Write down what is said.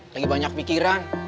lagi banyak pikiran